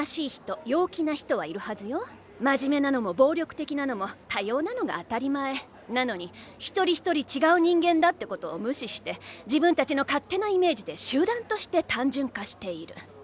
真面目なのも暴力的なのも多様なのが当たり前なのにひとりひとり違う人間だってことを無視して自分たちの勝手なイメージで集団として単純化している。